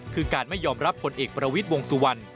คือการไม่ยอมรับผลเอกประวิทย์วงสุวรรณ